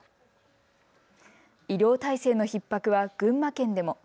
医療体制のひっ迫は群馬県でも。